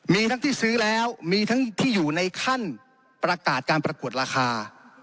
มีทั้งที่ซื้อแล้วมีทั้งที่อยู่ในขั้นประกาศการประกวดราคา